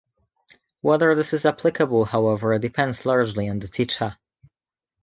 Whether this is applicable, however, depends largely on the teacher.